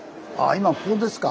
今ここですか。